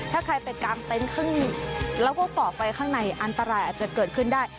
ถ้าใครไปกางเต็นต์ข้างแล้วก็เกาะไปข้างในอันตรายอาจจะเกิดขึ้นได้